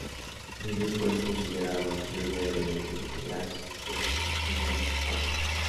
El grupo es considerado pionero del movimiento jazz fusión o Jazz Rock.